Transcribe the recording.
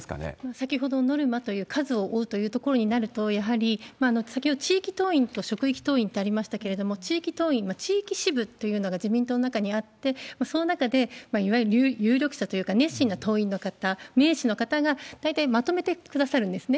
先ほどノルマを負うというところになると、やはり先ほど地域党員と職域党員ってありましたけれども、地域党員、地域支部というのが自民党の中にあって、その中で、いわゆる有力者というか、熱心な党員の方、名士の方が大体まとめてくださるんですね。